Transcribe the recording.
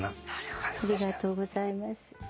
ありがとうございます。